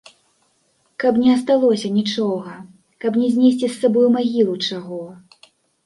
Каб не асталося нічога, каб не знесці з сабой у магілу чаго.